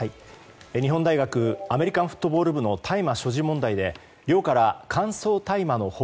日本大学アメリカンフットボール部の大麻所持問題で寮から乾燥大麻の他